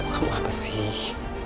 kamu apa sih